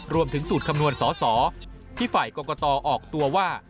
รวมถึงสูตรคำนวณสอสอที่ฝ่ายกรกตออกตัวว่า